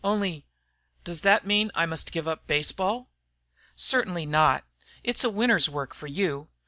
Only does that mean I must give up baseball?" "Certainly not. It's a winter s work for you.